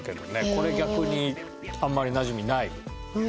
これ逆にあんまりなじみない？